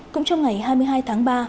cũng trong ngày hai mươi hai tháng ba